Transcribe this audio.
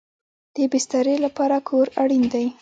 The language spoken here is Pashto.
د بسترې لپاره کور اړین دی